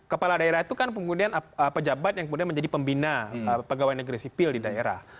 kepala daerah itu kan kemudian pejabat yang kemudian menjadi pembina pegawai negeri sipil di daerah